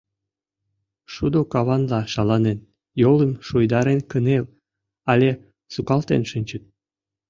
Шудо каванла шаланен, йолым шуйдарен кынел але сукалтен шинчыт.